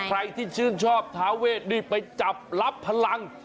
ใครที่ชื่นชอบทาเวทรีบไปจับรับพลัง